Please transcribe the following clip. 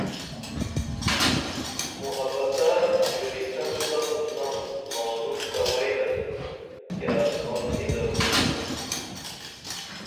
محبت تہ ژوئیسن زخم نم مانوݜ تہ وئیلن کیہ اسکان نی درو